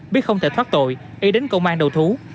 biết không thể thoát tội y đến công an đầu thú